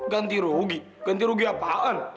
ganti rugi ganti rugi apaan